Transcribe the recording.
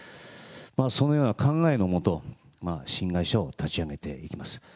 そのような考えの下、新会社を立ち上げていきます。